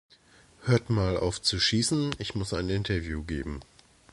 Hört mal auf zu schießen, ich muss ein Interview geben!